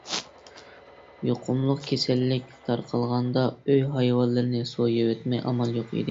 يۇقۇملۇق كېسەللىك تارقالغاندا ئۆي ھايۋانلىرىنى سويۇۋەتمەي ئامال يوق ئىدى.